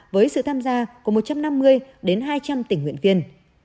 với sự tham gia của một trăm năm mươi đến hai trăm linh tình nguyện viên